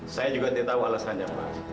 saya juga tidak tahu alasannya pak